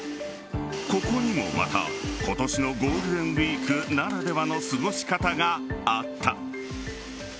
ここにもまた今年のゴールデンウイークならではの過ごし方があった。